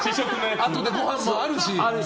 あとでごはんもあるし。